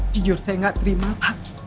jujur saya gak terima